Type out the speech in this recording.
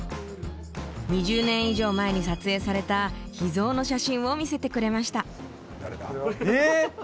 ２０年以上前に撮影された秘蔵の写真を見せてくれました。